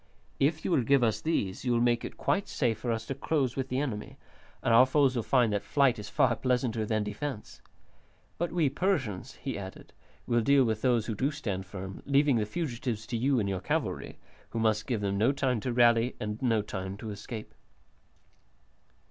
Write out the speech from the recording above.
If you will give us these you will make it quite safe for us to close with the enemy, and our foes will find that flight is far pleasanter than defence. But we Persians," he added, "will deal with those who do stand firm, leaving the fugitives to you and to your cavalry, who must give them no time to rally and no time to escape."